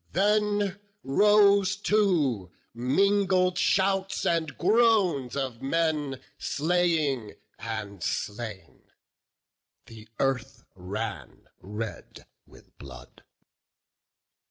Then rose too mingled shouts and groans of men Slaying and slain; the earth ran red with blood.